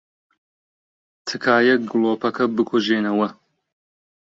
تکایە گڵۆپەکە بکوژێنەوە.